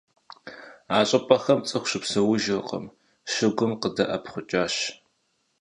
А щӏыпӏэхэм цӏыху щыпсэужыркъым, щыгум къыдэӏэпхъукӏащ.